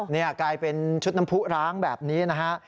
นี่กลายเป็นชุดน้ำผู้ร้างแบบนี้นะฮะ